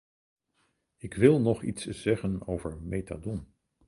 Ik wil nog iets zeggen over metadon.